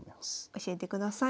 教えてください。